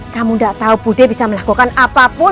kamu gak tau budi bisa melakukan apapun